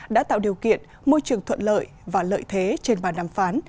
đã tạo điều kiện môi trường thuận lợi và lợi thế trên bàn đàm phán